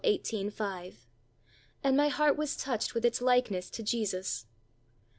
18: 5), and my heart was touched with its likeness to Jesus.